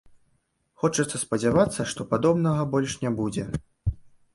Хочацца спадзявацца, што падобнага больш не будзе.